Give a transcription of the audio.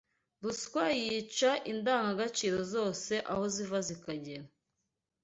Ruswa yica indangagaciro zose aho ziva zikagera